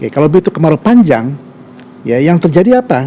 kalau begitu kemarau panjang ya yang terjadi apa